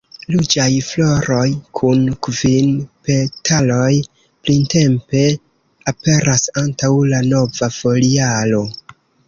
Ruĝaj floroj kun kvin petaloj printempe aperas antaŭ la nova foliaro.